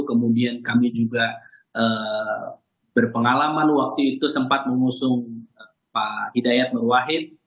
kemudian kami juga berpengalaman waktu itu sempat mengusung pak hidayat nurwahid